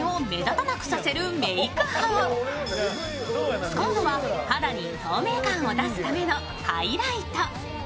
使うのは、肌に透明感を出すためのハイライト。